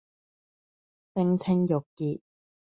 冰清玉潔